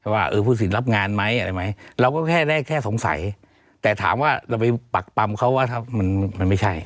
ว่าผู้ตะสินรับงานไหมอะไรไหมเราก็ได้แค่สงสัยแต่ถามว่าเราไปปักปัมเขาว่ามันไม่ใช่